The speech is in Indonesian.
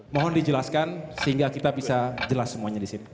mohon dijelaskan sehingga kita bisa jelas semuanya disini